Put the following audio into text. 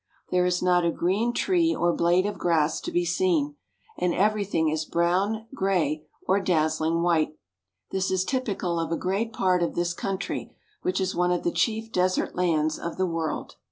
There is not a green tree or blade of grass to be seen, and everything is brown, gray, or dazzling white. This is typical of a great part of this country, which is one of the chief desert lands of the world.